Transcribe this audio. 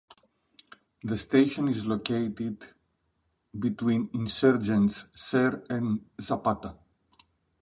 The station is located between Insurgentes Sur and Zapata.